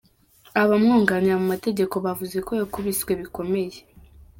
Abamwunganira mu mategeko bavuze ko yakubiswe bikomeye.